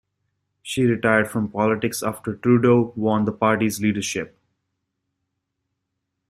She retired from politics after Trudeau won the party's leadership.